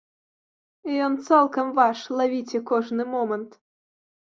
Ён цалкам ваш, лавіце кожны момант!